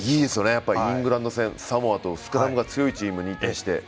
イングランド戦、サモアとスクラムが強いチームに。